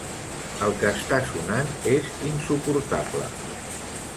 El que està sonant és insuportable.